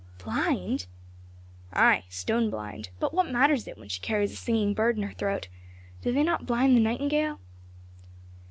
"Blind?" "Ay! Stone blind; but what matters it when she carries a singing bird in her throat. Do they not blind the nightingale?"